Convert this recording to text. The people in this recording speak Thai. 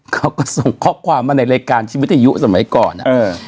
เขาก็ส่งข้อความมาในรายการชีวิตวิทยุสมัยก่อน